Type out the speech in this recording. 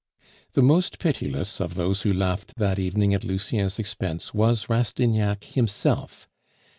The most pitiless of those who laughed that evening at Lucien's expense was Rastignac himself.